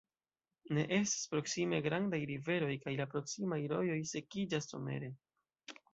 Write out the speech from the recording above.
Ne estas proksime grandaj riveroj kaj la proksimaj rojoj sekiĝas somere.